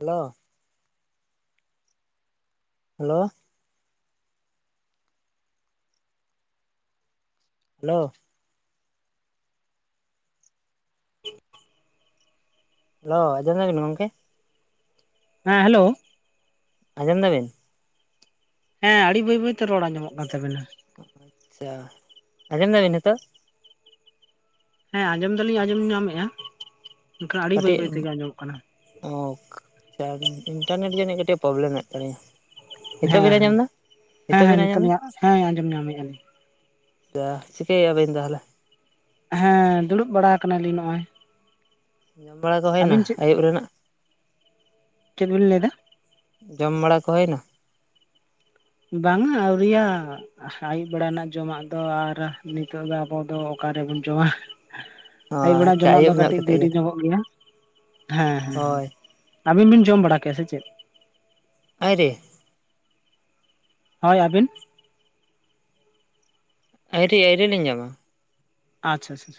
Hello. Hello. Hello. [inaudible] Hello, ᱟᱸᱡᱚᱢ ᱧᱟᱢᱮᱫᱟ ᱵᱮᱱ ᱜᱚᱝᱠᱮ? ᱦᱮᱸ, ᱦᱮᱞᱳ ᱾ ᱟᱸᱡᱚᱢ ᱫᱟᱵᱮᱱ? ᱦᱮᱸ, ᱟᱹᱲᱤ ᱵᱟᱹᱭ ᱵᱟᱹᱭᱛᱮ ᱨᱚᱲ ᱟᱸᱡᱚᱢᱚᱜ ᱠᱟᱱ ᱛᱟᱵᱤᱱᱟ ᱾ ᱟᱪᱪᱷᱟ ᱾ ᱟᱸᱡᱚᱢ ᱫᱟᱵᱤᱱ ᱱᱤᱛᱚᱜ? ᱦᱮᱸ, ᱟᱸᱡᱚᱢ ᱫᱟᱹᱞᱤᱧ, ᱟᱸᱡᱚᱢ ᱧᱟᱢᱮᱜᱼᱟ, ᱢᱮᱱᱠᱷᱟᱱ ᱟᱹᱰᱤ ᱵᱟᱹᱭ ᱠᱟᱹᱴᱤᱡ ᱵᱟᱹᱭ ᱛᱮᱜᱮ ᱟᱸᱡᱚᱢᱚᱜ ᱠᱟᱱᱟ ᱾ ᱚ [unintelligible] ᱤᱱᱴᱟᱨᱱᱮᱴ ᱨᱮᱭᱟᱜ ᱡᱟᱹᱱᱤᱡ ᱠᱟᱹᱴᱤᱡ ᱯᱨᱚᱵᱽᱞᱮᱢ ᱢᱮᱜ ᱛᱟᱞᱤᱧᱟ ᱾ ᱦᱮᱸ ᱦᱮᱸ, ᱦᱮᱸ ᱦᱮᱸ ᱵᱤᱱ ᱟᱸᱡᱚᱢ ᱱᱤᱛᱚᱜ ᱞᱤᱧ ᱦᱮᱸ ᱟᱸᱡᱚᱢ ᱧᱟᱢᱮᱫᱼᱟ ᱞᱤᱧ ᱾ ᱟᱪᱪᱷᱟ, ᱪᱤᱠᱟᱹᱭᱮᱜᱼᱟ ᱟᱵᱮᱱ ᱛᱟᱦᱚᱞᱮ? ᱦᱮᱸ, ᱫᱩᱲᱩᱵ ᱵᱟᱲᱟ ᱟᱠᱟᱱᱟᱞᱤᱧ ᱱᱚᱜᱼᱚᱭ ᱾ ᱧᱟᱢ ᱵᱟᱲᱟ ᱫᱚ ᱦᱩᱭᱮᱱᱟ ᱟᱹᱭᱩᱵ ᱨᱮᱱᱟᱜ? ᱪᱮᱫ ᱵᱤᱱ ᱞᱟᱹᱭᱮᱫᱟ? ᱡᱚᱢ ᱵᱟᱲᱟ ᱠᱚ ᱦᱩᱭᱮᱱᱟ? ᱵᱟᱝᱟ ᱟᱹᱣᱨᱤᱭᱚᱜᱼᱟ ᱾ ᱟᱹᱭᱩᱵ ᱵᱮᱲᱟ ᱨᱮᱱᱟᱜ ᱡᱚᱢᱟᱜ ᱫᱚ ᱟᱨ ᱱᱤᱛᱚᱜ ᱫᱚ ᱟᱵᱚ ᱫᱚ ᱚᱠᱟ ᱨᱮᱵᱚᱱ ᱡᱚᱢᱟ ᱚ ᱾ ᱟᱹᱭᱩᱵ ᱵᱮᱲᱟ ᱟᱪᱪᱷᱟ ᱡᱚᱢᱟᱜ ᱫᱚ ᱟᱹᱭᱩᱵ ᱧᱚᱜ ᱠᱟᱹᱴᱤᱡ ᱠᱟᱛᱮᱫ ᱫᱮᱨᱤ ᱜᱮ ᱧᱚᱜᱚᱜ ᱜᱮᱭᱟ ᱾ ᱦᱮᱸ ᱦᱮᱸ ᱦᱮᱸ ᱦᱳᱭ ᱟᱹᱵᱤᱱ ᱵᱤᱱ ᱡᱚᱢ ᱵᱟᱲᱟ ᱠᱮᱜᱼᱟ ᱥᱮ ᱪᱮᱫ? [unintelligible] ᱦᱳᱭ ᱟᱹᱵᱤᱱ? ᱟᱹᱭᱨᱤ ᱟᱹᱭᱨᱤ ᱞᱤᱧ ᱡᱚᱢᱟ ᱾ ᱟᱪᱪᱷᱟ [unintelligible]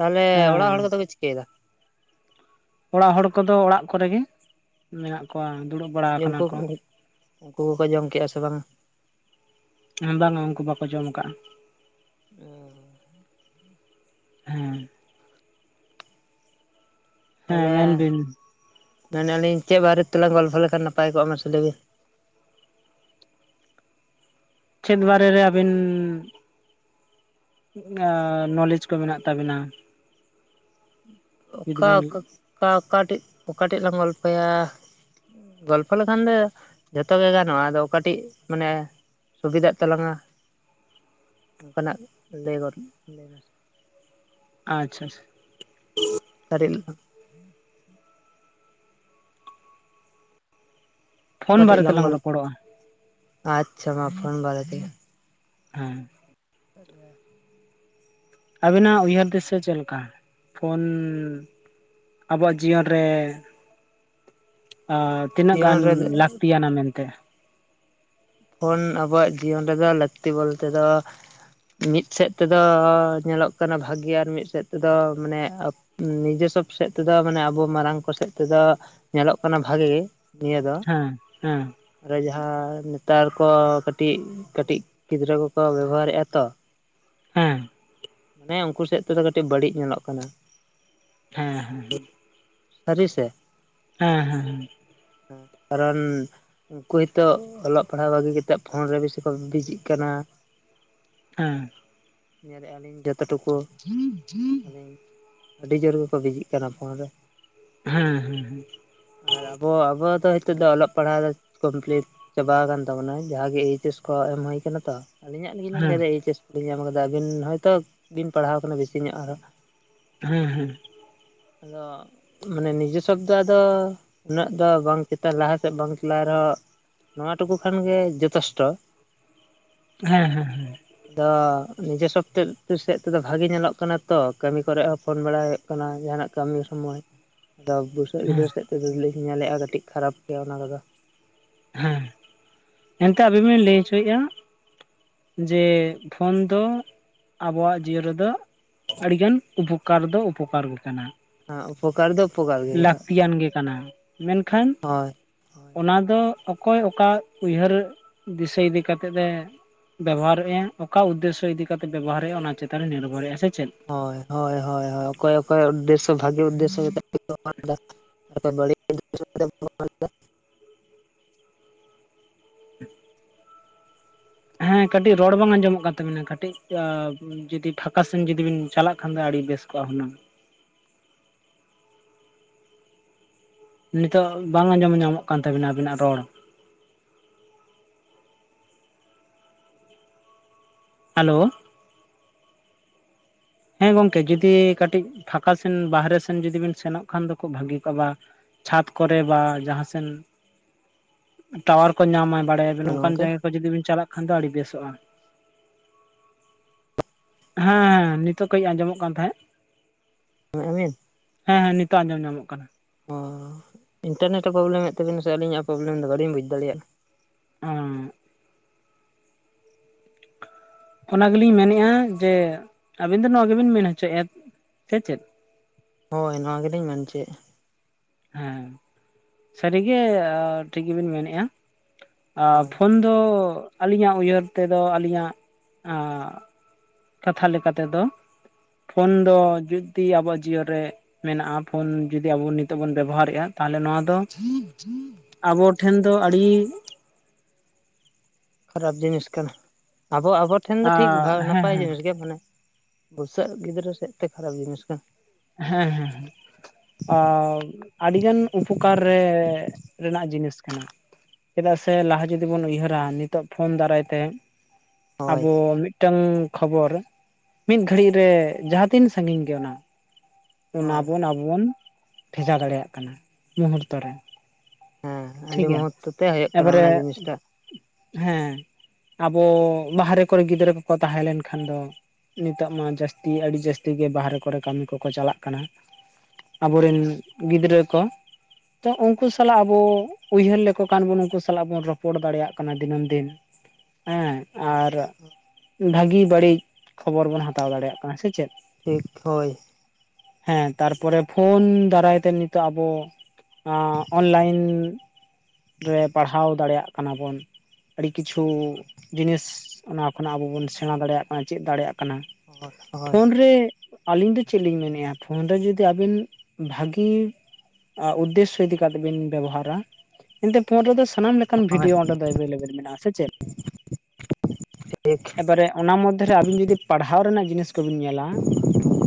ᱛᱟᱦᱚᱞᱮ ᱦᱮᱸ ᱚᱲᱟᱜ ᱦᱚᱲ ᱠᱚᱫᱚ ᱠᱚ ᱪᱤᱠᱟᱹᱭᱮᱫᱟ? ᱚᱲᱟᱜ ᱦᱚᱲ ᱠᱚᱫᱚ ᱚᱲᱟᱜ ᱠᱚᱨᱮ ᱜᱮ ᱾ ᱢᱮᱱᱟᱜ ᱠᱚᱣᱟ ᱫᱩᱲᱩᱵ ᱵᱟᱲᱟ ᱟᱠᱟᱱᱟ ᱩᱱᱠᱩ ᱠᱚ ᱾ ᱩᱱᱠᱩ ᱠᱚᱠᱚ ᱡᱚᱢ ᱠᱮᱜᱼᱟ ᱥᱮ ᱵᱟᱝᱟ ᱮᱸ ᱵᱟᱝᱟ ᱩᱱᱠᱩ ᱵᱟᱠᱚ ᱡᱚᱢ ᱟᱠᱟᱜᱼᱟ ᱾ [unintelligible] ᱦᱮᱸ ᱾ ᱦᱮᱸ ᱛᱟᱦᱚᱞᱮ, ᱢᱮᱱ ᱵᱤᱱ ᱢᱮᱱᱮᱜᱼᱟ ᱞᱤᱧ ᱪᱮᱫ ᱵᱟᱨᱮ ᱛᱮᱞᱟᱝ ᱜᱚᱞᱯᱷᱚ ᱞᱮᱠᱷᱟᱱ ᱱᱟᱯᱟᱭ ᱠᱚᱜᱼᱟ ᱢᱟᱥᱮ ᱞᱟᱹᱭ ᱵᱤᱱ? ᱪᱮᱫ ᱵᱟᱨᱮ ᱨᱮ ᱟᱹᱵᱤᱱ ᱟᱻ ᱱᱚᱞᱮᱡ ᱠᱚ ᱢᱮᱱᱟᱜ ᱛᱟᱵᱤᱱᱟ ᱾ ᱚᱠᱟ ᱵᱤᱱ ᱚᱠᱟ ᱚᱠᱟᱴᱤᱡ ᱚᱠᱟᱴᱮᱱ ᱞᱟᱝ ᱜᱚᱞᱯᱷᱚᱭᱟ ᱾ ᱜᱚᱞᱯᱷᱚ ᱞᱮᱠᱷᱟᱱ ᱫᱚ ᱡᱷᱚᱛᱚ ᱜᱮ ᱜᱟᱱᱚᱜᱼᱟ ᱟᱫᱚ ᱚᱠᱟᱴᱤᱡ ᱢᱟᱱᱮ ᱥᱩᱵᱤᱫᱷᱟᱜ ᱛᱟᱞᱟᱝᱟ ᱚᱱᱠᱟᱱᱟᱜ ᱞᱟᱹᱭ ᱜᱚᱫ ᱢᱮ ᱾ ᱟᱪᱪᱷᱟ ᱟᱪᱪᱷᱟ ᱫᱟᱨᱮ ᱨᱮᱱᱟᱜ ᱾ [unintelligible] ᱯᱷᱳᱱ ᱚᱠᱟᱴᱤᱡ ᱵᱟᱨᱮ ᱞᱟᱝ ᱛᱮᱞᱟᱝ ᱜᱚᱞ ᱨᱚᱯᱚᱲᱚᱜᱼᱟ ᱟᱪᱪᱷᱟ ᱢᱟ ᱯᱷᱳᱱ ᱵᱟᱨᱮ ᱛᱮ ᱾ ᱦᱮᱸ [unintelligible] ᱟᱨ [unintelligible] ᱟᱵᱤᱱᱟᱜ ᱩᱭᱦᱟᱹᱨ ᱫᱤᱥᱟᱹ ᱪᱮᱫ ᱞᱮᱠᱟ ᱯᱷᱳᱱ ᱟᱵᱚᱣᱟᱜ ᱡᱤᱭᱚᱱ ᱨᱮ ᱟᱨ ᱛᱤᱱᱟᱹᱜ ᱜᱟᱱ ᱡᱤᱭᱚᱱ ᱨᱮ ᱞᱟᱹᱠᱛᱤᱭᱟᱱᱟ ᱢᱮᱱᱛᱮ ᱯᱷᱳᱱ ᱟᱵᱚᱣᱟᱜ ᱡᱤᱭᱚᱱ ᱨᱮᱫᱚ ᱞᱟᱹᱠᱛᱤ ᱵᱚᱞᱛᱮ ᱫᱚ ᱢᱤᱫ ᱥᱮᱫ ᱛᱮᱫᱚ ᱧᱮᱞᱚᱜ ᱠᱟᱱᱟ ᱵᱷᱟᱜᱮ ᱟᱨ ᱢᱤᱫ ᱥᱮᱫ ᱛᱮᱫᱚ ᱢᱟᱱᱮ ᱟᱠ ᱱᱤᱡᱮᱥᱚᱵ ᱥᱮᱫ ᱛᱮᱫᱚ ᱢᱟᱱᱮ ᱟᱵᱚ ᱢᱟᱨᱟᱝ ᱠᱚ ᱥᱮᱫ ᱛᱮᱫᱚ ᱧᱮᱞᱚᱜ ᱠᱟᱱᱟ ᱵᱷᱟᱜᱮ ᱱᱤᱭᱟᱹ ᱫᱚ ᱦᱮᱸ ᱦᱮᱸ ᱟᱫᱚ ᱡᱟᱸᱦᱟᱭ ᱛᱟᱨᱯᱚᱨ ᱠᱟᱹᱴᱤᱡ ᱠᱟᱹᱴᱤᱡ ᱜᱤᱫᱽᱨᱟᱹ ᱠᱚᱠᱚ ᱵᱮᱵᱚᱦᱟᱨᱮᱫᱟ ᱛᱚ ᱦᱮᱸ ᱦᱮᱸ ᱩᱱᱠᱩ ᱥᱮᱫ ᱛᱮᱫᱚ ᱠᱟᱹᱴᱤᱡ ᱵᱟᱹᱲᱤᱡ ᱧᱮᱞᱚᱜ ᱠᱟᱱᱟ ᱦᱮᱸ ᱦᱮᱸ ᱥᱟᱹᱨᱤ ᱥᱮ ᱦᱮᱸ ᱦᱮᱸ ᱦᱮᱸ ᱠᱟᱨᱚᱱ ᱩᱱᱠᱩ ᱜᱮᱛᱚ ᱚᱞᱚᱜ ᱯᱟᱲᱦᱟᱣ ᱵᱟᱹᱜᱤ ᱠᱟᱛᱮᱫ ᱯᱷᱳᱱ ᱨᱮ ᱵᱮᱥᱤ ᱠᱚ ᱵᱤᱡᱤᱜ ᱠᱟᱱᱟ ᱾ ᱦᱮᱸ ᱧᱮᱞᱮᱜᱼᱟ ᱞᱤᱧ ᱡᱚᱛᱚ ᱴᱩᱠᱩ ᱟᱹᱞᱤᱧ ᱟᱹᱰᱤ ᱡᱳᱨ ᱜᱮᱠᱚ ᱵᱤᱡᱤᱜ ᱠᱟᱱᱟ ᱯᱷᱳᱱ ᱨᱮ ᱦᱮᱸ ᱦᱮᱸ ᱦᱮᱸ ᱟᱨ ᱟᱹᱵᱚ ᱟᱹᱵᱚ ᱫᱚ ᱦᱤᱛᱚᱜ ᱫᱚ ᱚᱞᱚᱜ ᱯᱟᱲᱦᱟᱣ ᱠᱚᱢᱯᱞᱤᱴ ᱪᱟᱵᱟ ᱟᱠᱟᱱ ᱛᱟᱵᱚᱱᱟ ᱡᱟᱸᱦᱟ ᱜᱮ ᱮᱭᱤᱪ ᱮᱥ ᱠᱚ ᱮᱢ ᱦᱩᱭ ᱟᱠᱟᱱᱟ ᱛᱚ ᱟᱹᱞᱤᱧᱟᱜ ᱜᱮᱞᱤᱧ ᱦᱮᱸ ᱞᱟᱹᱭᱫᱟ ᱮᱭᱤᱪ ᱮᱥ ᱠᱚᱫᱚᱧ ᱮᱢ ᱠᱟᱫᱟ ᱟᱹᱵᱤᱱ ᱦᱚᱭᱛᱳ ᱵᱤᱱ ᱯᱟᱲᱦᱟᱣ ᱠᱟᱱᱟ ᱵᱮᱥᱤ ᱧᱚᱜ ᱟᱨᱦᱚᱸ ᱦᱮᱸ ᱦᱮᱸ ᱟᱹᱫᱚ ᱢᱟᱱᱮ ᱱᱤᱡᱮ ᱥᱚᱵᱫᱚ ᱟᱫᱚ ᱩᱱᱟᱹᱜ ᱫᱚ ᱵᱟᱝ ᱪᱮᱛᱟᱱ ᱞᱟᱦᱟ ᱥᱮᱫ ᱵᱟᱝ ᱪᱟᱞᱟᱜ ᱨᱮᱦᱚᱸ ᱱᱚᱣᱟ ᱴᱩᱠᱩ ᱠᱷᱟᱱᱜᱮ ᱡᱚᱛᱮᱥᱴᱚ ᱦᱮᱸ ᱦᱮᱸ ᱦᱮᱸ ᱟᱫᱚ ᱱᱤᱡᱮ ᱥᱚᱵᱛᱮ ᱥᱮᱫ ᱛᱮᱫᱚ ᱵᱷᱟᱜᱮ ᱧᱮᱞᱚᱜ ᱠᱟᱱᱟ ᱛᱚ ᱠᱟᱹᱢᱤ ᱠᱚᱨᱮ ᱦᱚᱸ ᱯᱷᱳᱱ ᱵᱟᱲᱟᱭ ᱠᱟᱱᱟ ᱡᱟᱸᱦᱟᱱᱟᱜ ᱠᱟᱹᱢᱤ ᱥᱩᱢᱟᱭ ᱟᱫᱚ ᱵᱩᱥᱟᱹᱜ ᱦᱮᱸ ᱜᱤᱫᱽᱨᱟᱹ ᱥᱮᱫ ᱛᱮᱫᱚᱞᱤᱧ ᱧᱮᱞ ᱮᱫᱟ ᱠᱟᱹᱴᱤᱡ ᱠᱷᱟᱨᱟᱯ ᱜᱮᱭᱟ ᱚᱱᱟ ᱠᱚᱫᱚ ᱦᱮᱸ ᱮᱱᱠᱷᱟᱱ ᱟᱵᱤᱱ ᱵᱤᱱ ᱞᱟᱹᱭ ᱦᱚᱪᱚᱭᱮᱫᱼᱟ ᱾ ᱡᱮ ᱯᱷᱳᱱ ᱫᱚ ᱟᱵᱚᱣᱟᱜ ᱡᱤᱭᱚᱱ ᱨᱮᱫᱚ ᱟᱹᱰᱤᱜᱟᱱ ᱩᱯᱚᱠᱟᱨ ᱫᱚ ᱩᱯᱚᱠᱟᱨ ᱜᱮ ᱠᱟᱱᱟ ᱾ ᱦᱮᱸ ᱩᱯᱚᱠᱟᱨ ᱫᱚ ᱩᱯᱚᱠᱟᱨ ᱜᱮ ᱠᱟᱛᱷᱟ ᱞᱟᱹᱠᱛᱤᱭᱟᱱ ᱜᱮ ᱠᱟᱱᱟ ᱢᱮᱱᱠᱷᱟᱱ ᱦᱳᱭ ᱦᱳᱭ ᱚᱱᱟ ᱫᱚ ᱚᱠᱚᱭ ᱚᱠᱟ ᱩᱭᱦᱟᱹᱨ ᱫᱤᱥᱟᱹ ᱤᱫᱤ ᱠᱟᱛᱮᱫ ᱮ ᱵᱮᱵᱚᱦᱟᱨᱮᱫᱼᱟ ᱚᱠᱟ ᱩᱫᱫᱮᱥᱚ ᱤᱫᱤ ᱠᱟᱛᱮᱫ ᱵᱮᱵᱚᱦᱟᱨᱮᱫᱼᱟ ᱚᱱᱟ ᱪᱮᱛᱟᱱ ᱨᱮ ᱱᱤᱨᱵᱷᱚᱨᱮᱜᱼᱟ ᱥᱮ ᱪᱮᱫ ᱦᱳᱭ ᱦᱳᱭ ᱦᱳᱭ ᱦᱳᱭ ᱚᱠᱚᱭ ᱚᱠᱚᱭ ᱩᱫᱫᱮᱥᱚ ᱵᱷᱟᱜᱮ ᱩᱫᱫᱮᱥᱚ ᱠᱟᱛᱮᱫ ᱠᱚ ᱵᱮᱣᱦᱟᱨ ᱮᱫᱟ᱾ [unintelligible] ᱮᱫ [inaudible] ᱦᱮᱸ ᱠᱟᱹᱴᱤᱡ ᱨᱚᱲ ᱵᱟᱝ ᱟᱸᱡᱚᱢᱚᱜ ᱠᱟᱱ ᱛᱟᱹᱵᱤᱱᱟ ᱠᱟᱹᱴᱤᱡ ᱡᱩᱫᱤ ᱯᱷᱟᱸᱠᱟᱥᱮᱱ ᱡᱩᱫᱤᱵᱤᱱ ᱪᱟᱞᱟᱜ ᱠᱷᱟᱱ ᱫᱚ ᱟᱹᱰᱤ ᱵᱮᱥ ᱠᱚᱜᱼᱟ ᱦᱩᱱᱟᱹᱝ ᱱᱤᱛᱚᱜ ᱵᱟᱝ ᱟᱸᱡᱚᱢ ᱧᱟᱢᱚᱜ ᱠᱟᱱ ᱛᱟᱵᱤᱱᱟ ᱟᱵᱤᱱᱟᱜ ᱨᱚᱲ ᱦᱮᱞᱳ ᱦᱮᱸ ᱜᱚᱝᱠᱮ ᱡᱩᱫᱤ ᱠᱟᱹᱴᱤᱡ ᱯᱷᱟᱸᱠᱟ ᱥᱮᱱ ᱵᱟᱦᱨᱮ ᱥᱮᱱ ᱡᱚᱫᱤ ᱵᱤᱱ ᱥᱮᱱᱚᱜ ᱠᱷᱟᱱ ᱫᱚ ᱠᱷᱩᱯ ᱵᱷᱟᱜᱤ ᱠᱚᱜᱼᱟ ᱪᱷᱟᱸᱫᱽ ᱠᱚᱨᱮ ᱵᱟ ᱡᱟᱸᱦᱟ ᱥᱮᱱ ᱴᱟᱣᱟᱨ ᱠᱚ ᱧᱟᱢᱟ ᱵᱟᱲᱮ ᱟᱵᱤᱱ ᱱᱚᱝᱠᱟᱱ ᱜᱚᱢᱠᱮ ᱡᱟᱭᱜᱟ ᱡᱩᱫᱤ ᱵᱤᱱ ᱪᱟᱞᱟᱜ ᱠᱷᱟᱱ ᱫᱚ ᱟᱹᱰᱤ ᱵᱮᱥᱚᱜᱼᱟ ᱦᱮᱸ ᱦᱮᱸ ᱱᱤᱛᱚᱜ ᱠᱟᱹᱡ ᱟᱸᱡᱚᱢᱚᱜ ᱠᱟᱱ ᱛᱟᱦᱮᱸᱫ ᱦ ᱤᱧᱟᱢ ᱦᱮᱸ ᱦᱮᱸ ᱱᱤᱛᱚᱜ ᱟᱸᱡᱚᱢ ᱧᱟᱢᱚᱜ ᱠᱟᱱᱟ᱾ [unintelligible] ᱤᱱᱴᱟᱨᱱᱮᱴ ᱮ ᱯᱚᱵᱞᱮᱢᱮᱫ ᱛᱟᱵᱤᱱᱟ ᱥᱮ ᱟᱹᱞᱤᱧᱟᱜ ᱮ ᱯᱚᱵᱞᱮᱢ ᱫᱟ, ᱵᱟᱹᱞᱤᱧ ᱵᱩᱡ ᱫᱟᱲᱮᱭᱟᱜ [unintelligible] ᱚᱱᱟ ᱜᱮᱞᱤᱧ ᱢᱮᱱᱮᱜ-ᱟ ᱡᱮ ᱟᱵᱤᱱ ᱫᱚ ᱱᱚᱣᱟ ᱜᱮᱵᱤᱱ ᱢᱮᱱ ᱦᱚᱪᱚᱭᱮᱫᱼᱟ ᱥᱮ ᱪᱮᱫ? ᱦᱳᱭ ᱱᱚᱣᱟ ᱜᱮᱞᱤᱧ ᱢᱮᱱ᱾ [unintelligible] ᱦᱮᱸ, ᱥᱟᱹᱨᱤᱜᱮ ᱴᱷᱤᱠ ᱜᱮᱵᱤᱱ ᱢᱮᱱᱮᱫᱼᱟ ᱟ ᱦᱳᱭ ᱯᱷᱳᱱ ᱫᱚ ᱟᱹᱞᱤᱧᱟᱜ ᱩᱭᱦᱟᱹᱨ ᱛᱮᱫᱚ ᱟᱹᱞᱤᱧᱟᱜ ᱟ ᱠᱟᱛᱷᱟ ᱞᱮᱠᱟ ᱛᱮᱫᱚ ᱯᱷᱳᱱ ᱫᱚ ᱡᱩᱫᱤ ᱟᱵᱚᱣᱟᱜ ᱡᱤᱭᱚ ᱨᱮ ᱢᱮᱱᱟᱜᱼᱟ ᱯᱷᱳᱱ ᱡᱩᱫᱤ ᱟᱵᱚ ᱱᱤᱛᱚᱜ ᱵᱚᱱ ᱵᱮᱵᱚᱦᱟᱨᱮᱜᱼᱟ ᱛᱟᱦᱞᱮ ᱱᱚᱣᱟ ᱫᱚ ᱟᱵᱚᱴᱷᱮᱱ ᱫᱚ ᱟᱹᱰᱤ ᱠᱷᱟᱨᱟᱯ ᱡᱤᱱᱤᱥ ᱠᱟᱱᱟ, ᱟᱵᱚ ᱟᱵᱚ ᱴᱷᱮᱱ ᱫᱚ ᱴᱷᱤᱠ ᱦᱮᱸ ᱱᱟᱯᱟᱭ ᱦᱮᱸ ᱡᱤᱱᱤᱥ ᱜᱮ ᱢᱟᱱᱮ ᱵᱩᱥᱟᱹᱜ ᱜᱤᱫᱽᱨᱟᱹ ᱥᱮᱫ ᱛᱮ ᱠᱷᱟᱨᱟᱯ ᱡᱤᱱᱤᱥ ᱠᱟᱱᱟ ᱦᱮᱸ ᱦᱮᱸ ᱟ ᱟᱹᱰᱤ ᱜᱟᱱ ᱩᱯᱚᱠᱟᱨ ᱨᱮ ᱨᱮᱱᱟᱜ ᱡᱤᱱᱤᱥ ᱠᱟᱱᱟ ᱪᱮᱫᱟᱜ ᱥᱮ ᱞᱟᱦᱟ ᱡᱩᱫᱤ ᱵᱚᱱ ᱩᱭᱦᱟᱹᱨᱟ ᱱᱤᱛᱚᱜ ᱯᱷᱳᱱ ᱫᱟᱨᱟᱭ ᱛᱮ ᱦᱳᱭ ᱟᱵᱚ ᱢᱤᱫᱴᱟᱝ ᱠᱷᱚᱵᱚᱨ ᱢᱤᱫ ᱜᱷᱟᱹᱲᱤᱡ ᱨᱮ ᱡᱟᱦᱟᱸ ᱛᱤᱱ ᱥᱟᱺᱜᱤᱧ ᱜᱮ ᱚᱱᱟ ᱚᱱᱟ ᱦᱳᱭ ᱵᱚᱱ ᱟᱵᱚᱱ ᱵᱷᱮᱡᱟ ᱫᱟᱲᱮᱭᱟᱜ ᱠᱟᱱᱟ ᱢᱩᱦᱩᱨᱛᱚ ᱨᱮ᱾ ᱦᱮᱸ ᱴᱷᱤᱠ ᱟᱹᱰᱤ ᱜᱮᱭᱟ, ᱢᱚᱦᱚᱛᱛᱚ ᱛᱮ ᱦᱩᱭᱩᱜ ᱠᱟᱱᱟ ᱮᱵᱟᱨᱮ ᱚᱱᱟ ᱡᱤᱱᱤᱥᱴᱟᱜ ᱦᱮᱸ ᱟᱵᱚ ᱵᱟᱦᱨᱮ ᱠᱚᱨᱮ ᱜᱤᱫᱽᱨᱟᱹ ᱠᱚᱠᱚ ᱛᱟᱦᱮᱸ ᱞᱮᱱᱠᱷᱟᱱ ᱫᱚ ᱱᱤᱛᱟᱜ ᱢᱟ ᱡᱟᱹᱥᱛᱤ ᱟᱹᱰᱤ ᱡᱟᱹᱥᱛᱤ ᱜᱮ ᱵᱟᱦᱨᱮ ᱠᱚᱨᱮ ᱠᱟᱹᱢᱤ ᱠᱚᱠᱚ ᱪᱟᱞᱟᱜ ᱠᱟᱱᱟ᱾ ᱟᱵᱚᱨᱮᱱ ᱜᱤᱫᱽᱨᱟᱹ ᱠᱚ ᱛᱚ ᱩᱱᱠᱩ ᱥᱟᱞᱟᱜ ᱟᱵᱚ ᱩᱭᱦᱟᱹᱨ ᱞᱮᱠᱚ ᱠᱟᱱ ᱵᱚᱱ ᱩᱱᱠᱩ ᱥᱟᱞᱟᱜ ᱵᱚᱱ ᱨᱚᱯᱚᱲ ᱫᱟᱲᱮᱭᱟᱜ ᱠᱟᱱᱟ ᱫᱤᱱᱟᱹᱢ ᱫᱤᱱ, ᱦᱮᱸ ᱟᱨ ᱵᱷᱟᱹᱜᱤ ᱵᱟᱹᱲᱤᱡ ᱠᱷᱚᱵᱚᱨ ᱵᱩᱱ ᱦᱟᱛᱟᱣ ᱫᱟᱲᱮᱭᱟᱜ ᱠᱟᱱᱟ, ᱥᱮ ᱪᱮᱫ? ᱴᱷᱤᱠ ᱦᱳᱭ᱾ ᱦᱮᱸ ᱛᱟᱨᱯᱚᱨᱮ ᱯᱷᱳᱱ ᱫᱟᱨᱟᱭ ᱛᱮ ᱱᱤᱛᱚᱜ ᱟᱵᱚ ᱟᱸ ᱚᱱᱞᱟᱭᱤᱱ ᱨᱮ ᱯᱟᱲᱦᱟᱣ ᱫᱟᱲᱮᱭᱟᱜ ᱠᱟᱱᱟ ᱵᱚᱱ ᱟᱹᱰᱤ ᱠᱤᱪᱷᱩ ᱡᱤᱱᱤᱥ ᱚᱱᱟ ᱠᱷᱚᱱᱟᱜ ᱟᱵᱚ ᱵᱚᱱ ᱥᱮᱬᱟ ᱫᱟᱲᱮᱭᱟᱜ ᱠᱟᱱᱟ ᱪᱮᱫ ᱫᱟᱲᱮᱭᱟᱜ ᱠᱟᱱᱟ, ᱦᱳᱭ ᱦᱳᱭ ᱯᱷᱳᱱ ᱨᱮ ᱟᱞᱤᱧ ᱫᱚ ᱪᱮᱫ ᱞᱤᱧ ᱢᱮᱱᱮᱜᱼᱟ ᱯᱷᱳᱱ ᱨᱮ ᱡᱩᱫᱤ ᱟᱵᱤᱱ ᱵᱷᱟᱜᱤ ᱩᱫᱽᱫᱮᱥᱥᱚ ᱤᱫᱤ ᱠᱟᱛᱮᱫ ᱵᱤᱱ ᱵᱮᱵᱚᱦᱟᱨᱟ ᱮᱱᱛᱮ ᱯᱳᱱ ᱨᱮᱫᱚ ᱥᱟᱱᱟᱢ [unintelligible] ᱦᱳᱭ ᱵᱷᱤᱰᱭᱳ ᱚᱸᱰᱮ ᱫᱚ ᱮᱵᱮᱞᱮᱵᱮᱞ ᱢᱮᱱᱟᱜᱼᱟ ᱥᱮ ᱪᱮᱫ, ᱴᱷᱤᱠ ᱮᱵᱟᱨᱮ ᱚᱱᱟ ᱢᱚᱫᱽᱫᱷᱮ ᱨᱮ ᱟᱵᱤᱱ ᱡᱩᱫᱤ ᱯᱟᱲᱦᱟᱣ ᱨᱮᱱᱟᱜ ᱡᱤᱱᱤᱥ [unintelligible] ᱧᱮᱞᱟ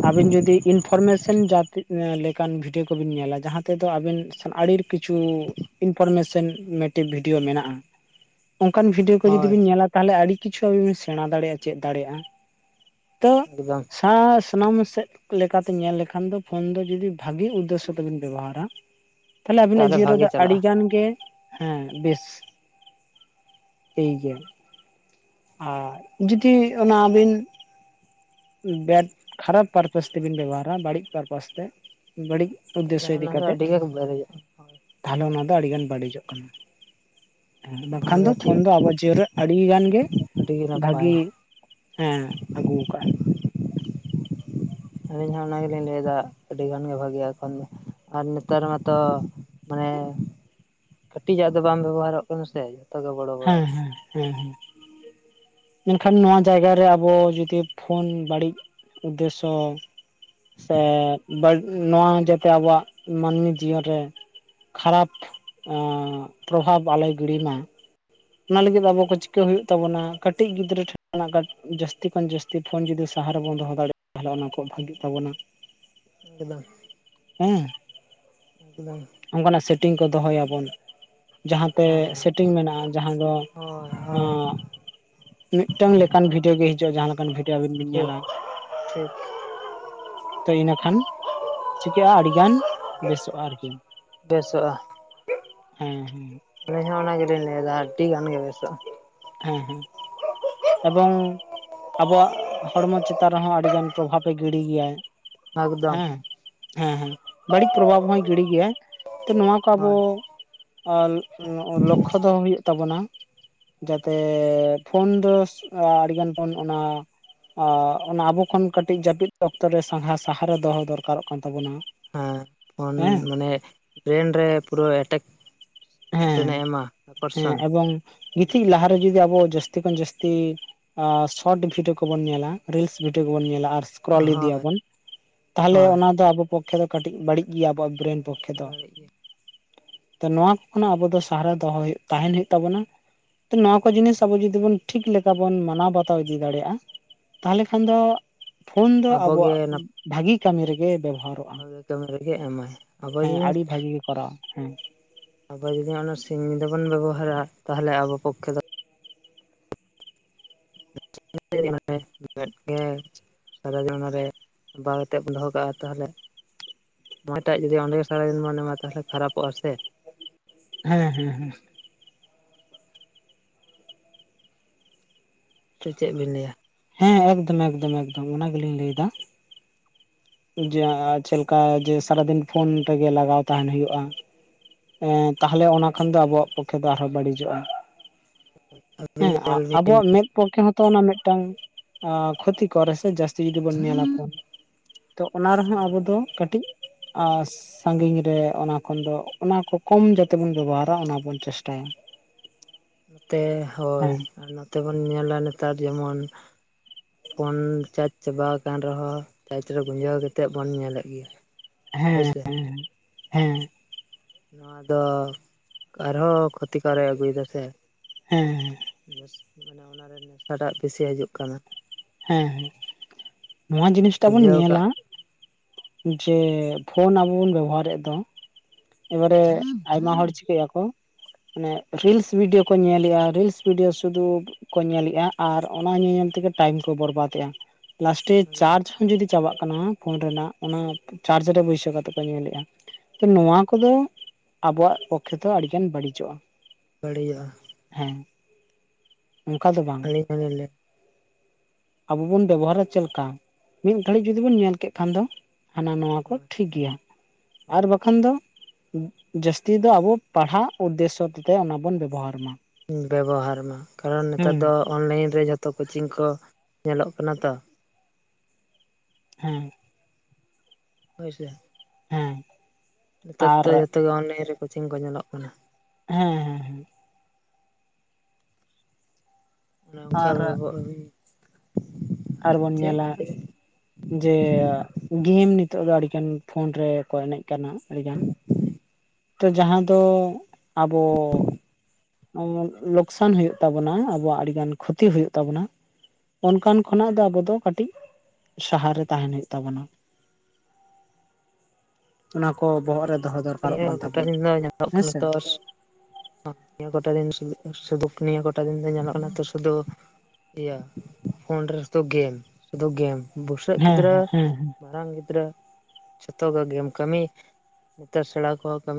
ᱟᱵᱤᱱ ᱡᱩᱫᱤ ᱤᱱᱯᱷᱚᱨᱢᱮᱥᱚᱱ [unintelligible] [unintelligible] ᱵᱷᱤᱰᱭᱳ ᱠᱚᱵᱤᱱ ᱧᱮᱞᱟ ᱡᱟᱦᱟᱸ ᱛᱮᱫᱚ ᱟᱵᱤᱱ ᱟᱲᱤᱨ ᱠᱤᱪᱷᱩ ᱤᱱᱯᱷᱚᱨᱢᱮᱥᱚᱱ ᱢᱤᱴᱤᱵ ᱵᱷᱤᱰᱭᱳ ᱢᱮᱱᱟᱜᱼᱟ, ᱚᱱᱠᱟᱱ ᱵᱷᱤᱰᱭᱳ ᱠᱚ ᱡᱩᱫᱤ ᱦᱳᱭ ᱵᱤᱱ ᱧᱮᱞᱟ ᱛᱟᱦᱞᱮ ᱟᱹᱰᱤ ᱠᱤᱪᱷᱩ ᱟᱵᱤᱱ ᱵᱤ ᱥᱮᱬᱟ ᱫᱟᱲᱮᱭᱟᱜᱼᱟ ᱪᱮᱫ ᱫᱟᱲᱮᱭᱟᱜᱼᱟ, ᱛᱚ ᱮᱠᱫᱚᱢ [unintelligible] ᱥᱟᱱᱟᱢ ᱥᱮᱫ ᱞᱮᱠᱟᱛᱮ ᱧᱮᱞ ᱞᱮᱠᱷᱟᱱ ᱫᱚ ᱯᱷᱳᱱ ᱫᱚ ᱡᱚᱫᱤ ᱵᱷᱟᱜᱤ ᱩᱫᱽᱫᱮᱥᱥᱚ ᱛᱮᱵᱤᱱ ᱵᱮᱵᱚᱦᱟᱨᱟ ᱛᱟᱦᱞᱮ ᱟᱵᱤᱱᱟᱜ ᱛᱟᱦᱚᱞᱮ ᱡᱤᱭᱚᱱ ᱵᱷᱟᱜᱮ ᱨᱮᱫᱚ ᱪᱟᱞᱟᱜᱼᱟ [unintelligible] ᱦᱮᱸ ᱵᱮᱥ [unintelligible] ᱜᱮᱭᱟ᱾ ᱟᱨ ᱡᱩᱫᱤ ᱚᱱᱟ ᱟᱹᱵᱤᱱ ᱵᱮᱰ ᱠᱷᱟᱨᱟᱯ ᱯᱟᱨᱯᱟᱥ ᱛᱮᱵᱤᱱ ᱵᱮᱵᱚᱦᱟᱨᱟ ᱵᱟᱹᱲᱤᱡ ᱯᱟᱨᱯᱟᱥ ᱛᱮ ᱵᱟᱹᱲᱤᱡ ᱩᱫᱽᱫᱮᱥᱥᱚ ᱚᱱᱟ ᱫᱚ ᱟᱹᱰᱤᱜᱮ [unintelligible] ᱛᱟᱦᱞᱮ ᱚᱱᱟ ᱫᱚ ᱟᱹᱰᱤᱜᱟᱱ ᱵᱟᱹᱲᱤᱡᱚᱜ ᱠᱟᱱᱟ᱾ ᱦᱮᱸ ᱚᱱᱟ ᱵᱟᱝᱠᱷᱟᱱ ᱫᱚ ᱯᱷᱳᱱ ᱴᱷᱤᱠ ᱫᱚ ᱟᱵᱚ ᱡᱤᱭᱚᱱ ᱨᱮ ᱟᱹᱰᱤ ᱜᱟᱱ ᱜᱮ ᱟᱹᱰᱤ ᱜᱮ ᱵᱷᱟᱜᱤ ᱱᱟᱯᱟᱭᱟ ᱦᱮᱸ ᱟᱹᱜᱩ ᱟᱠᱟᱜ-ᱟᱭ᱾ ᱟᱹᱞᱤᱧ ᱦᱚᱸ ᱚᱱᱟ ᱜᱮᱞᱤᱧ ᱞᱟᱹᱭ ᱮᱫᱟ ᱟᱹᱰᱤ ᱜᱟᱱ ᱜᱮ ᱵᱷᱟᱹᱜᱮ [unintelligible] ᱟᱨ ᱱᱮᱛᱟᱨ ᱢᱟᱛᱚ ᱢᱟᱱᱮ ᱠᱟᱹᱴᱤᱡ ᱟᱜ ᱫᱚ ᱵᱟᱝ ᱵᱮᱵᱚᱦᱟᱨᱚᱜ ᱠᱟᱱᱟ ᱥᱮ ᱜᱮ ᱵᱚᱲᱚ ᱵᱚᱲᱚ ᱦᱮᱸ ᱦᱮᱸ ᱦᱮᱸ ᱦᱮᱸ ᱢᱮᱱᱠᱷᱟᱱ ᱱᱚᱣᱟ ᱡᱟᱭᱜᱟ ᱨᱮ ᱟᱵᱚ ᱡᱩᱫᱤ ᱯᱷᱳᱱ ᱵᱟᱹᱲᱤᱡ ᱩᱫᱽᱫᱮᱥᱥᱚ ᱥᱮ [unintelligible] ᱱᱚᱣᱟ ᱡᱟᱛᱮ ᱟᱵᱚᱣᱟᱜ ᱢᱟᱹᱱᱢᱤ ᱡᱤᱭᱚᱱ ᱨᱮ ᱠᱷᱟᱨᱟᱯ ᱟᱜ ᱯᱨᱚᱵᱷᱟᱵ ᱟᱞᱚᱭ ᱜᱤᱲᱤ ᱢᱟ ᱚᱱᱟ ᱞᱟᱜᱤᱫ ᱟᱵᱚ ᱠᱚ ᱪᱤᱠᱟᱹ ᱦᱩᱭᱩᱜ ᱛᱟᱵᱚᱱᱟ ᱠᱟᱹᱴᱤᱪ ᱜᱤᱫᱽᱨᱟᱹ ᱴᱷᱮᱱ - ᱱᱟᱜ ᱡᱟᱹᱥᱛᱤ ᱠᱷᱚᱱ ᱡᱟᱹᱥᱛᱤ ᱯᱷᱳᱱ ᱡᱩᱫᱤ ᱥᱟᱦᱟ ᱨᱮᱵᱚᱱ ᱫᱚᱦᱚ ᱫᱟᱲᱮᱭᱟᱜᱼᱟ ᱛᱟᱦᱚᱞᱮ ᱚᱱᱟ ᱠᱷᱚ ᱵᱷᱟᱜᱤᱜ ᱛᱟᱵᱚᱱᱟ ᱮᱼᱫᱟ ᱳᱦ ' [inaudible] ᱟᱫ' ᱚᱱᱠᱟ ᱱᱟᱜ ᱥᱮᱴᱤᱝ ᱠᱚ ᱫᱚᱦᱚᱭᱟᱵᱚᱱ ᱡᱟᱦᱟᱸᱛᱮ ᱦᱮᱸ ᱦᱮᱸ ᱥᱮᱴᱤᱝ ᱢᱮᱱᱟᱜᱼᱟ ᱡᱟᱦᱟᱸ ᱫᱚ ᱦᱳᱭ ᱦᱳᱭ ᱚᱜ ᱢᱤᱫᱴᱟᱝ ᱞᱮᱠᱟᱱ ᱵᱷᱤᱰᱭᱳ ᱜᱮ ᱦᱤᱡᱩᱜᱼᱟ ᱡᱟᱦᱟᱸ ᱞᱮᱠᱟᱱ ᱵᱷᱤᱰ- ᱡᱮ ᱟᱹᱵᱤᱱ ᱵᱤᱱ ᱴᱷᱤᱠ ᱧᱮᱞᱟ ᱴᱷᱤᱠ ᱛᱚ ᱤᱱᱟᱹᱠᱷᱟᱱ ᱪᱤᱠᱟᱹᱜᱼᱟ ᱟᱰᱤᱜᱟᱱ ᱵᱮᱥᱚᱜᱼᱟ ᱟᱨᱠᱤ ᱵᱮᱥᱚᱜᱼᱟ ᱦᱮᱸ ᱟᱹᱞᱤᱧ ᱦᱚᱸ ᱚᱱᱟᱜᱮᱞᱤᱧ ᱞᱟᱹᱭ ᱫᱟ ᱟᱹᱰᱰᱤ ᱜᱟᱱ ᱜᱮ ᱵᱮᱥᱚᱜᱼᱟ ᱦᱮᱸ ᱦᱮᱸ ᱮᱵᱚᱝ ᱟᱵᱚᱣᱟᱜ ᱦᱚᱲᱢᱚ ᱪᱮᱛᱟᱱ ᱨᱮᱦᱚᱸ ᱟᱰᱤ ᱜᱟᱱ ᱯᱨᱚᱵᱷᱟᱵᱽ-ᱮ ᱜᱤᱰᱤ ᱜᱮᱭᱟᱭ ᱮᱠᱫᱚᱢ ᱦᱮᱸ ᱦᱮᱸ ᱦᱮᱸ ᱵᱟᱹᱲᱤᱡ ᱯᱨᱚᱵᱷᱟᱵᱽ ᱦᱚᱭ ᱜᱤᱲᱤ ᱜᱮᱭᱟᱭ ᱛᱚ ᱱᱚᱣᱟ ᱠᱚ ᱟᱵᱚ ᱦᱳᱭ ᱟᱜ ᱞᱚᱜ-ᱚᱜ ᱞᱚᱠᱠᱷᱚ ᱫᱚᱦᱚ ᱦᱩᱭᱩᱜ ᱛᱟᱵᱚᱱᱟ ᱡᱟᱛᱮ ᱯᱷᱳᱱ ᱫᱚ ᱟᱰᱤᱜᱟᱱ ᱯᱷᱳᱱ ᱚᱱᱟ ᱟᱜ ᱚᱱᱟ ᱟᱵᱚ ᱠᱷᱚᱱ ᱠᱟᱹᱴᱤᱡ ᱡᱟᱹᱯᱤᱫ ᱚᱠᱛᱚ ᱨᱮ ᱥᱟᱦᱟ ᱥᱟᱦᱟᱨᱮ ᱫᱚᱦᱚᱭ ᱫᱚᱨᱠᱟᱨᱚᱜ ᱠᱟᱱ ᱛᱟᱵᱚᱱᱟ ᱮᱦ ᱯᱷᱳᱱ ᱦᱮᱸ ᱢᱟᱱᱮ ᱵᱨᱮᱱ ᱨᱮ ᱯᱩᱨᱟᱹ ᱮᱴᱮᱠ - ᱦᱮᱸ ᱢᱮᱜᱴᱮᱱᱮ ᱮᱢᱟ ᱦᱮᱸ ᱟᱠᱚᱨᱥᱚᱱ ᱮᱵᱚᱝ ᱜᱤᱛᱤᱡ ᱞᱟᱦᱟ ᱨᱮ ᱡᱚᱫᱤ ᱟᱵᱚ ᱡᱟᱹᱥᱛᱤ ᱠᱷᱚᱱ ᱡᱟᱹᱥᱛᱤ ᱟᱜ ᱥᱚᱨᱴ ᱵᱷᱤᱰᱭᱳ ᱠᱚ ᱵᱚᱱ ᱧᱮᱞᱟ ᱨᱤᱞᱥ ᱵᱷᱤᱰᱭᱳ ᱠᱚ ᱵᱚᱱ ᱧᱮᱞᱟ ᱟᱨ ᱠᱨᱚᱞ ᱤᱫᱤᱭᱟ ᱦᱳᱭ ᱵᱚᱱ ᱛᱟᱦᱚᱞᱮ ᱦᱳᱭ ᱚᱱᱟ ᱫᱚ ᱟᱵᱚ ᱯᱚᱠᱠᱷᱮ ᱫᱚ ᱠᱟᱹᱴᱤᱡ ᱵᱟᱲᱤᱡ ᱜᱮᱭᱟ ᱟᱵᱚᱣᱟᱜ ᱵᱨᱮᱱ ᱯᱚᱠᱠᱷᱮ ᱫᱚ ᱵᱟᱹᱲᱤᱡ ᱜᱮ ᱛᱚ ᱱᱚᱣᱟ ᱠᱚ ᱠᱷᱚᱱᱟᱜ ᱟᱵᱚ ᱫᱚ ᱥᱟᱦᱟ ᱨᱮ ᱫᱚᱦᱚ ᱛᱟᱦᱮᱱ ᱦᱩᱭᱩᱜ ᱛᱟᱵᱚᱱᱟ ᱛᱚ ᱱᱚᱣᱟ ᱠᱚ ᱡᱤᱱᱤᱥ ᱟᱵᱚ ᱡᱚᱫᱤ ᱵᱚᱱ ᱴᱷᱤᱠ ᱞᱮᱠᱟ ᱵᱚᱱ ᱢᱟᱱᱟᱣ ᱵᱟᱛᱟᱣ ᱤᱫᱤ ᱫᱟᱲᱮᱭᱟᱜᱼᱟ ᱛᱟᱦᱚᱞᱮ ᱠᱷᱟᱱ ᱫᱚ ᱯᱷᱳᱱ ᱫᱚ ᱟᱵᱚᱜᱮ ᱟᱵᱚᱣᱟᱜ ᱵᱷᱟᱜᱤ ᱠᱟᱢᱤ ᱨᱮ ᱜᱮ ᱵᱮᱵᱚᱦᱟᱨᱚᱜ ᱵᱷᱟᱜᱮ ᱠᱟᱢᱤ ᱨᱮ ᱜᱮ ᱮᱢᱟᱭ ᱟᱵᱚ ᱡᱩᱫᱤ ᱠᱚᱨᱟ ᱦᱮᱸ ᱟᱵᱚ ᱡᱚᱫᱤ ᱚᱱᱟ ᱥᱤᱧ ᱧᱤᱫᱟᱹ ᱵᱚᱱ ᱵᱮᱵᱚᱦᱟᱨᱟ ᱛᱟᱦᱚᱞᱮ ᱟᱵᱚ ᱯᱚᱠᱠᱷᱮ ᱫᱚ 'ᱜ ᱜᱮ' [inaudible] ᱥᱟᱨᱟᱫᱤᱱ ᱚᱱᱟ ᱨᱮ ᱵᱟᱭ ᱠᱟᱛᱮᱫ ᱵᱚᱱ ᱫᱚ ᱦᱚ ᱠᱟᱜᱼᱟ ᱛᱟᱦᱚᱞᱮ 'ᱢᱚᱴᱟᱜ' [unintelligible] ᱡᱩᱫᱤ ᱚᱸᱰᱮ ᱜᱮ ᱥᱟᱨᱟᱫᱤᱱ ᱢᱚᱱᱮ ᱮᱢᱟ ᱛᱟᱦᱚᱞᱮ ᱠᱷᱟᱨᱟᱯᱚᱜᱼᱟ ᱥᱮ ᱦᱮᱸ ᱦᱮᱸ ᱦᱮᱸ ᱥᱮ ᱪᱮᱫ ᱵᱤᱱ ᱞᱟᱹᱭᱟ? ᱦᱮ ᱮᱠᱫᱚᱢ ᱮᱠᱫᱚᱢ ᱮᱠᱫᱚᱢ ᱚᱱᱟ ᱜᱮᱞᱤᱧ ᱞᱟᱹᱭ ᱫᱟ ᱡᱮ ᱦᱳᱭ ᱪᱮᱞᱮᱠᱟ ᱡᱮ ᱥᱟᱨᱟᱫᱤᱱ ᱯᱷᱳᱱ ᱨᱮᱜᱮ ᱞᱟᱜᱟᱣ ᱛᱟᱦᱮᱱ ᱦᱩᱭᱩᱜᱼᱟ ᱮᱻ ᱛᱟᱦᱚᱞᱮ ᱚᱱᱟ ᱠᱷᱟᱱ ᱫᱚ ᱟᱵᱚᱣᱟᱜ ᱯᱚᱠᱠᱷᱮ ᱫᱚ ᱟᱨᱦᱚᱸ ᱵᱟᱲᱤᱡᱚᱜᱼᱟ ᱦᱮ ᱟᱹᱵᱤᱱ ᱧᱮᱞ ᱵᱤᱱ ᱟᱵᱚᱣᱟᱜ ᱢᱮᱫ ᱯᱚᱠᱠᱷᱮ ᱦᱚᱜ ᱛᱚ ᱚᱱᱟ ᱢᱤᱫᱴᱟᱝ ᱠᱷᱚᱛᱤᱠᱚᱨ ᱥᱮ ᱡᱟᱹᱥᱛᱤ ᱡᱩᱫᱤ ᱵᱚᱱ ᱧᱮᱞᱟ ᱯᱷᱳᱱ ᱛᱚ ᱚᱱᱟ ᱨᱮᱦᱚ ᱦᱳᱭ ᱟᱵᱚ ᱫᱚ ᱠᱟᱴᱤᱡ ᱟᱼᱜ, ᱥᱟᱜᱤᱧ ᱨᱮ ᱚᱱᱟ ᱠᱷᱚᱱ ᱫᱚ ᱚᱱᱟ ᱠᱚ ᱠᱚᱢ ᱡᱟᱛᱮ ᱵᱚᱱ ᱵᱮᱵᱚᱦᱟᱨᱟ ᱚᱱᱟ ᱵᱚᱱ ᱪᱮᱥᱴᱟᱭᱟ᱾ ᱛᱮ ᱦᱳᱭ ᱦᱮᱸ ᱟᱨ ᱱᱚᱛᱮ ᱵᱚᱱ ᱧᱮᱞᱟ ᱱᱮᱛᱟᱨ ᱡᱮᱢᱚᱱ ᱯᱷᱳᱱ ᱪᱟᱡᱽ ᱪᱟᱵᱟᱣ ᱟᱠᱟᱱ ᱨᱮᱦᱚ ᱪᱟᱡᱽ ᱨᱮ ᱜᱩᱡᱟᱹᱣ ᱠᱟᱛᱮᱜ ᱵᱚᱱ ᱧᱮᱞᱮᱫ ᱜᱮᱭᱟ᱾ ᱦᱮᱼᱮ ᱦᱳᱭᱥᱮ ᱦᱮ ᱱᱚᱣᱟ ᱫᱚ ᱟᱨᱦᱚ ᱠᱷᱚᱛᱤᱠᱟᱨᱮ ᱟᱜᱩᱭ ᱫᱟ ᱥᱮ? ᱦᱮᱼᱮ ᱦᱮ ' [inaudible] ᱵᱮᱥ ᱢᱟᱱᱮ ᱚᱱᱟᱨᱮ' ᱱᱮᱥᱟᱴᱟᱜ ᱵᱮᱥᱤ ᱦᱤᱡᱩᱜ ᱠᱟᱱᱟ᱾ ᱦᱮ ᱱᱚᱣᱟ ᱡᱤᱱᱤᱥᱴᱟ ᱵᱚᱱ ᱜᱩᱸᱡᱟᱹᱣ ᱠᱟᱜ ᱧᱮᱞᱟ᱾ ᱡᱮ ᱯᱷᱳᱱ ᱟᱵᱚ ᱵᱚᱱ ᱵᱮᱵᱚᱦᱟᱨ ᱮᱫ ᱫᱚ, ᱮᱵᱟᱨᱮ ᱦᱳᱭ ᱟᱭᱢᱟ ᱦᱚᱲ ᱪᱤᱠᱟᱹ ᱭᱟᱠᱚ ᱢᱟᱱᱮ ᱨᱤᱞᱥ ᱵᱷᱤᱰᱭᱳ ᱠᱚ ᱧᱮᱞᱮᱫᱼᱟ ᱨᱤᱞᱥ ᱵᱷᱤᱰᱭᱳ ᱥᱩᱫᱷᱩ ᱠᱚ ᱧᱮᱞᱮᱜᱼᱟ ᱟᱨ ᱚᱱᱟ ᱧᱮᱧᱮᱞ ᱛᱮᱜᱮ ᱴᱟᱭᱤᱢ ᱠᱚ ᱵᱚᱨᱵᱟᱫᱮᱫᱼᱟ, ᱞᱟᱥᱴᱮ ᱮᱠᱫᱚᱢ ᱪᱟᱨᱡᱽ ᱡᱩᱫᱤ ᱪᱟᱵᱟᱜ ᱠᱟᱱᱟ ᱯᱷᱳᱱ ᱨᱮᱱᱟᱜ ᱚᱱᱟ ᱪᱟᱨᱡᱽ ᱨᱮ ᱵᱟᱹᱭᱥᱟᱹᱣ ᱠᱟᱛᱮ ᱠᱚ ᱧᱮᱞᱮᱜᱼᱟ᱾ ᱱᱚᱣᱟ ᱦᱳᱭ ᱠᱚᱫᱚ ᱟᱵᱚᱣᱟᱜ ᱯᱚᱠᱠᱷᱮ ᱛᱚ ᱟᱹᱰᱤᱜᱟᱱ ᱵᱟᱹᱲᱤᱡᱚᱜᱼᱟ᱾ ᱵᱟᱲᱤᱡᱚᱜᱼᱟ ᱦᱮ ᱚᱱᱠᱟ ᱫᱚ ᱵᱟᱝ, [unintelligible] ᱟᱵᱚ ᱵᱚᱱ ᱵᱮᱵᱚᱦᱟᱨᱟ ᱪᱮᱫ ᱞᱮᱠᱟ, ᱢᱤᱫ ᱜᱷᱟᱹᱲᱤᱡ ᱡᱚᱫᱤ ᱵᱚᱱ ᱧᱮᱞ ᱠᱮᱫ ᱠᱷᱟᱱ ᱫᱚ, ᱦᱟᱱᱟ ᱱᱚᱣᱟᱠᱩ ᱦᱳᱭ ᱴᱷᱤᱠ ᱜᱮᱭᱟ ᱟᱨ ᱦᱳᱭ ᱵᱟᱠᱷᱟᱱ ᱫᱚ, ᱡᱟᱹᱥᱛᱤ ᱫᱚ ᱟᱵᱚ ᱯᱟᱲᱦᱟᱜ ᱩᱫᱽᱫᱮᱥᱚ ᱚᱱᱟ ᱵᱚᱱ ᱵᱮᱵᱚᱦᱟᱨ ᱢᱟ᱾ ᱵᱮᱵᱚᱦᱟᱨ ᱢᱟ ᱠᱟᱨᱚᱱ ᱦᱮᱸ ᱱᱮᱛᱟᱨ ᱫᱚ ᱚᱱᱞᱟᱭᱤᱱ ᱨᱮ ᱡᱚᱛᱚ ᱠᱳᱪᱤᱝ ᱠᱚ ᱧᱮᱞᱚᱜ ᱠᱟᱱᱟ ᱛᱚ᱾ ᱦᱮ ᱦᱳᱭᱥᱮ? ᱦᱮ ᱱᱮᱛᱟᱨ ᱫᱚ ᱡᱷᱚᱛᱚ ᱜᱮ ᱚᱱᱞᱟᱭᱤᱱ ᱨᱮ ᱠᱳᱪᱤᱝ ᱠᱚ ᱧᱮᱞᱚᱜ ᱠᱟᱱᱟ᱾ ᱦᱮᱻ ᱱᱚᱝᱠᱟ ᱟᱨ ᱵᱮᱵᱚᱜ ᱜᱤ ᱟᱨᱵᱚᱱ ᱧᱮᱞᱟ ᱡᱮ ᱜᱤᱢ ᱱᱤᱛᱚᱜ ᱫᱚ ᱟᱹᱰᱤᱜᱟᱱ ᱯᱷᱳᱱ ᱨᱮᱠᱚ ᱮᱱᱮᱡ ᱠᱟᱱᱟ ᱟᱹᱰᱤᱜᱟᱱ ᱛᱚ ᱡᱟᱦᱟ ᱫᱚ ᱟᱵᱚ ᱚᱢᱚᱱ ᱞᱚᱠᱥᱟᱱ ᱦᱩᱭᱩᱜ ᱛᱟᱵᱩᱱᱟ ᱟᱵᱚᱣᱟᱜ ᱟᱹᱰᱤᱜᱟᱱ ᱠᱷᱩᱤ ᱦᱩᱭᱩᱜ ᱛᱟᱵᱚᱱᱟ᱾ ᱚᱱᱠᱟᱱ ᱠᱷᱚᱱᱟᱜ ᱫᱚ ᱟᱵᱚ ᱫᱚ ᱠᱟᱴᱤᱡ ᱥᱟᱦᱟᱨ ᱨᱮ ᱛᱟᱦᱮᱱ ᱦᱩᱭᱩᱜ ᱛᱟᱵᱚᱱᱟ᱾ ᱚᱱᱟ ᱠᱚ ᱵᱚᱦᱚᱜ ᱨᱮ ᱫᱚᱦᱚ ᱫᱚᱨᱠᱟᱨᱚᱜ ᱩᱭᱦᱟᱨ ᱠᱟᱱ ᱛᱟᱵᱚᱱᱟ ᱯᱟᱴᱟᱞᱤ ᱧᱮᱛᱚᱜ ᱜᱮ ᱦᱮᱸᱥᱮ ᱱᱤᱛᱚᱥ ᱱᱤᱭᱟ ᱠᱚᱴᱟ ᱫᱤᱱ ᱥᱩᱫᱩ ᱥᱩᱫᱩᱠᱠ ᱠᱚᱴᱟ ᱫᱤᱱ ᱫᱚ ᱧᱮᱞᱚᱜ ᱠᱟᱱᱟ ᱛᱚ ᱥᱩᱫᱩ, ᱤᱭᱟᱹ ᱯᱷᱳᱱ ᱨᱮ ᱥᱩᱫᱩ ᱜᱮᱢ ᱥᱩᱫᱩ ᱜᱮᱢ ᱵᱩᱥᱟᱹᱜ ᱦᱮᱸ ᱜᱤᱫᱽᱨᱟᱹ, ᱦᱮᱸ ᱦᱮᱸ ᱦᱮᱸ ᱢᱟᱨᱟᱝ ᱜᱤᱫᱽᱨᱟᱹ, ᱡᱷᱚᱛᱚ ᱜᱮ ᱜᱮᱢ, ᱠᱟᱹᱢᱤ ᱱᱚᱛᱮ ᱥᱮᱬᱟ ᱠᱚᱦᱚ ᱠᱟᱹᱢᱤ